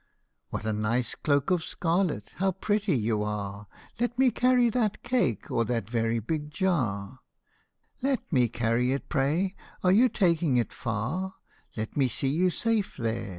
" What a nice cloak of scarlet ! How pretty you are ! Let Me carry that cake or that very big jar : let Me carry it, pray are you taking it far : Let Me see you safe there